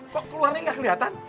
kok keluarnya gak kelihatan